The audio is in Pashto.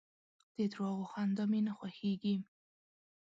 د درواغو خندا مي نه خوښېږي .